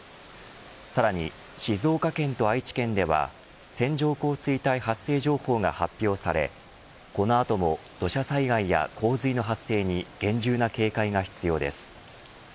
さらに静岡県と愛知県では線状降水帯発生情報が発表されこの後も土砂災害や洪水の発生に厳重な警戒が必要です。